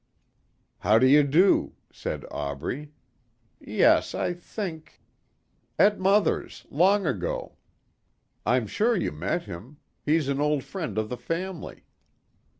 "How do you do," said Aubrey. "Yes, I think " "At mother's. Long ago. I'm sure you met him. He's an old friend of the family."